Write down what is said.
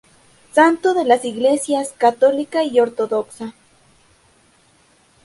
Santo de las Iglesias católica y ortodoxa.